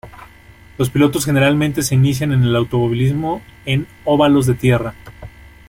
Los pilotos generalmente se inician en el automovilismo en óvalos de tierra.